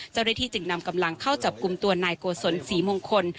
เจ้าหน้าที่จึงนำกำลังเข้าจับกลุ่มตัวนายโกศลศรีมงคล